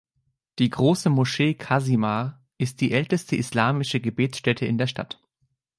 Die große Moschee Kazimar ist die älteste islamische Gebetsstätte in der Stadt.